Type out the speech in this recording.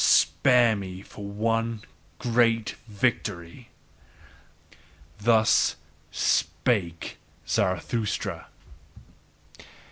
Spare me for one great victory! Thus spake Zarathustra.